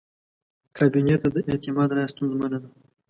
کابینې ته د اعتماد رایه ستونزه ده.